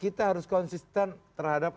kita harus konsisten terhadap